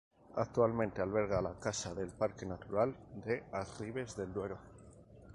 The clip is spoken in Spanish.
Actualmente alberga la casa del Parque Natural de Arribes del Duero.